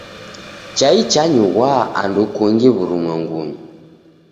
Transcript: Chai chanyughwa andu kungi w'urumwengunyi.